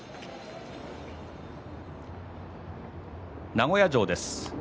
名古屋城です。